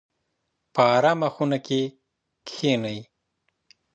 په ارامه خونه کې کښینئ.